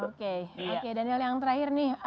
oke oke daniel yang terakhir nih